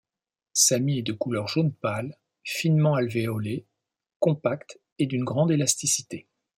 Sa mie est de couleur jaune pâle, finement alvéolée, compacte et d'une grande élasticité.